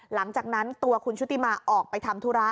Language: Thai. หลังจากนั้นตัวคุณชุติมาออกไปทำธุระ